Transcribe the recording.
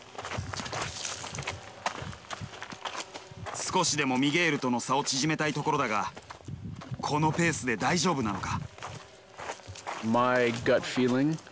少しでもミゲールとの差を縮めたいところだがこのペースで大丈夫なのか。